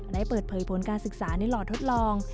ได้เปิดเผยผลการศึกษาในหล่อทดลอง